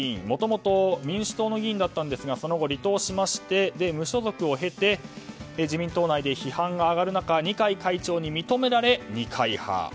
もともと民主党の議員だったんですがその後、離党しまして無所属を経て自民党内で批判が上がる中二階会長に認められ二階派。